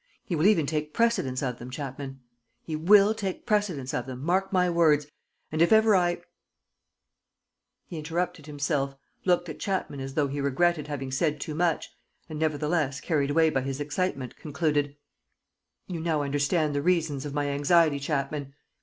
... He will even take precedence of them, Chapman; he will, take precedence of them, mark my words ... and, if ever I ..." He interrupted himself, looked at Chapman as though he regretted having said too much and, nevertheless, carried away by his excitement, concluded: "You now understand the reasons of my anxiety, Chapman.